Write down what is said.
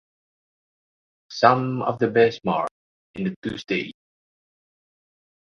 Sum of the best marks in the two stages.